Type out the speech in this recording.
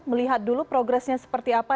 melihat dulu progresnya seperti apa